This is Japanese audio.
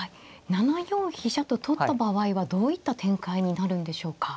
７四飛車と取った場合はどういった展開になるんでしょうか。